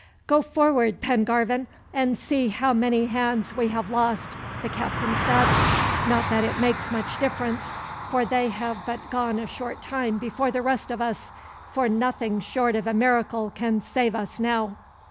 "Go forward, Pengarvan, and see how many hands we have lost," the captain said. "Not that it makes much difference, for they have but gone a short time before the rest of us, for nothing short of a miracle can save us, now."